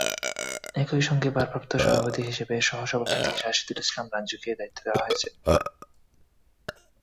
একই সঙ্গে ভারপ্রাপ্ত সভাপতি হিসেবে সহসভাপতি রাশেদুল ইসলাম রাঞ্জুকে দায়িত্ব দেওয়া হয়েছে।